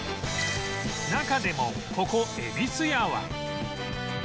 中でもここゑびすやは